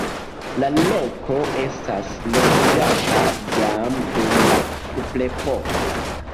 La loko estis loĝata jam dum la kuprepoko.